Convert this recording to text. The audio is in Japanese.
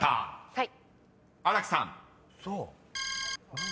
はい。